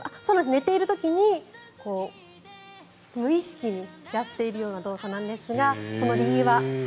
寝ている時に無意識にやっているような動作なんですがその理由は。